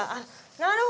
なるほど。